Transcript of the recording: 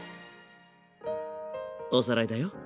おさらいだよ。